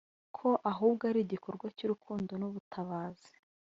ko ahubwo ari igikorwa cy’urukundo n’ubutabazi